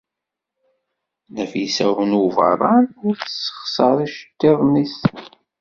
Nafisa n Ubeṛṛan ur tessexṣer iceḍḍiḍen-nnes.